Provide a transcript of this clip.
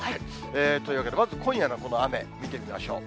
というわけで、まず今夜のこの雨、見てみましょう。